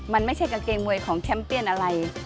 มันไม่ใช่กางเกงมวยของแชมป์เปียนอะไร